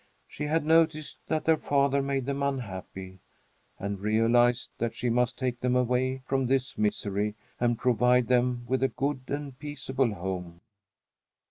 She had noticed that their father made them unhappy, and realized that she must take them away from this misery and provide them with a good and peaceable home.